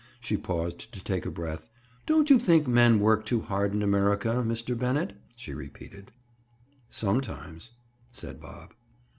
She paused to take breath. "Don't you think men work too hard in America, Mr. Bennett?" she repeated. "Sometimes," said Bob.